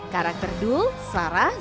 karakter dul sarang